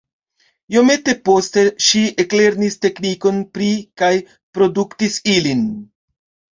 Iomete poste ŝi eklernis teknikon pri kaj produktis ilin.